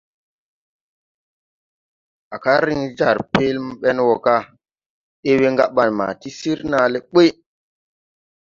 Á kal riŋ jar peelé ɓeŋ wɔ ga: « ɗee we gaɓaŋ ma ti sir naa le ɓuy ».